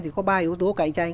thì có ba yếu tố cạnh tranh